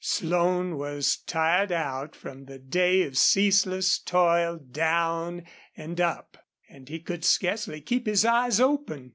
Slone was tired out from the day of ceaseless toil down and up, and he could scarcely keep his eyes open.